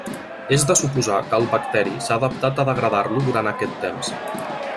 És de suposar que el bacteri s'ha adaptat a degradar-lo durant aquest temps.